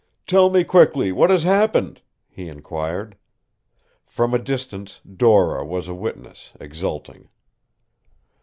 "Tell me quickly what has happened?" he inquired. From a distance Dora was a witness, exulting.